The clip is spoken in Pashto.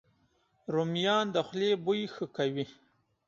رومیان د خولې بوی ښه کوي